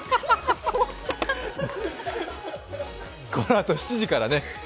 このあと７時からね。